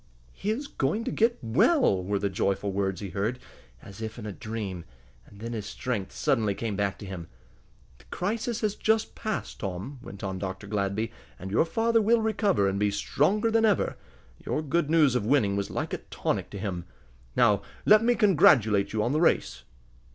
"He is going to get well!" were the joyful words he heard, as if in a dream, and then his strength suddenly came back to him. "The crisis is just passed, Tom," went on Dr. Gladby, "and your father will recover, and be stronger than ever. Your good news of winning was like a tonic to him. Now let me congratulate you on the race."